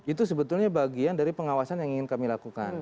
itu sebetulnya bagian dari pengawasan yang ingin kami lakukan